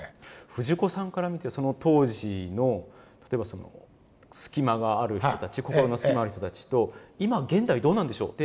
藤子さんから見てその当時の例えばその隙間がある人たち心の隙間ある人たちと今現代どうなんでしょう？